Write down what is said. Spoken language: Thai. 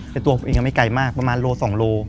แต่ตัวผมเองยังไม่ไกลมากประมาณโล๒โล